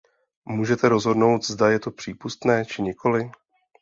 Můžete rozhodnout, zda je to přípustné, či nikoli?